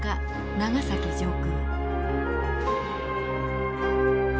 長崎上空。